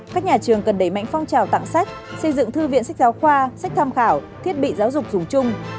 các nhà trường cần đẩy mạnh phong trào tặng sách xây dựng thư viện sách giáo khoa sách tham khảo thiết bị giáo dục dùng chung